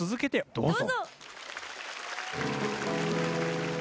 どうぞ。